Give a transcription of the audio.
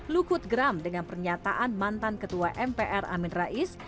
luhut geram dengan pernyataan mantan ketua mpr amin rais